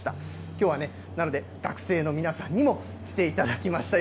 きょうはね、なので学生の皆さんにも来ていただきました。